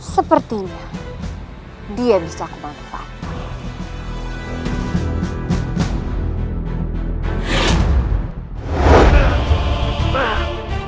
sepertinya dia bisa kebangkitan